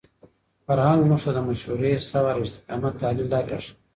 فرهنګ موږ ته د مشورې، صبر او استقامت عالي لارې راښيي.